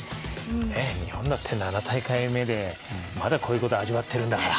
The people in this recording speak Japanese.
日本だって７大会目でまだこういうこと始まってるんだから。